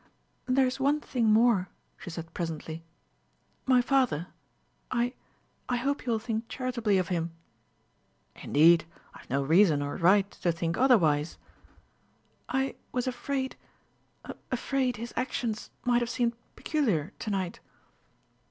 "There's one thing more," she said presently: "my father. I I hope you will think charitably of him." "Indeed, I've no reason or right to think otherwise." "I was afraid afraid his actions might have seemed peculiar, to night